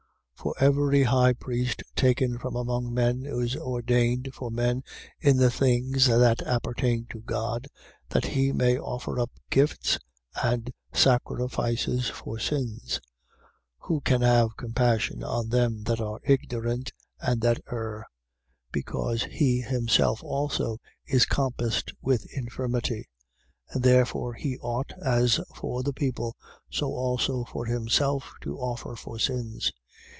5:1. For every high priest taken from among men is ordained for men in the things that appertain to God, that he may offer up gifts and sacrifices for sins: 5:2. Who can have compassion on them that are ignorant and that err: because he himself also is compassed with infirmity. 5:3. And therefore he ought, as for the people, so also for himself, to offer for sins.